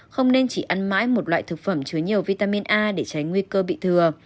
không nên chỉ ăn mãi một loại thực phẩm chứa nhiều vitamin a để tránh nguy cơ bị thừa